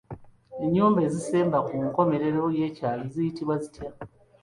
Enyumba ezisemba ku nkomerero y'ekyalo ziyitibwa zitya?